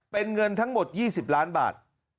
เป็นเงินทั้งหมด๒๐ล้านบาท